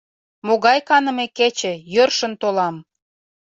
Могай каныме кече, йӧршын толам!